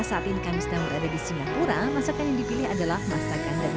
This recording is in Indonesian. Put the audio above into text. saat ini kami sedang berada di singapura masakan yang dipilih adalah masakan dan